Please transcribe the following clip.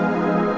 oh siapa ini